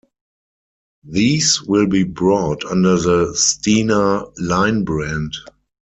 These will be brought under the Stena Line brand.